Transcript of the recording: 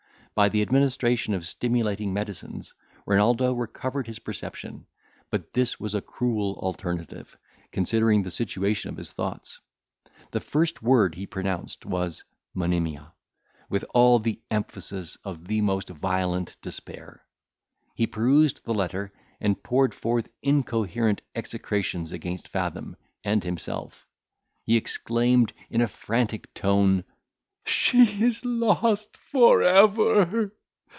By the administration of stimulating medicines, Renaldo recovered his perception; but this was a cruel alternative, considering the situation of his thoughts. The first word he pronounced was Monimia, with all the emphasis of the most violent despair. He perused the letter, and poured forth incoherent execrations against Fathom and himself. He exclaimed, in a frantic tone, "She is lost for ever!